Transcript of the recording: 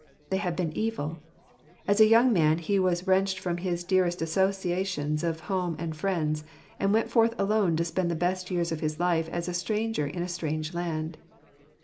They had been evil. As a young man he was wrenched from his dearest associations of home and friends, and went forth alone to spend the best years of his life as a stranger in a strange land.